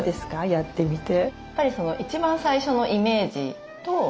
やってみて。